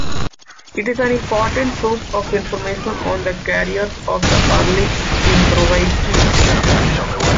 It is an important source of information on the careers of the early Embriachi.